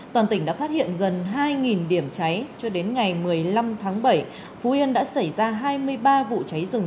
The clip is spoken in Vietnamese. toàn tỉnh đã phát hiện gần hai điểm cháy cho đến ngày một mươi năm tháng bảy phú yên đã xảy ra hai mươi ba vụ cháy rừng